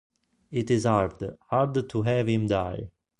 It is hard, hard to have him die!